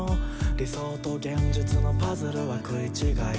「理想と現実のパズルは食い違い」